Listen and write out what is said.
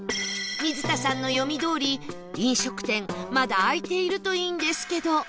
水田さんの読みどおり飲食店まだ開いているといいんですけど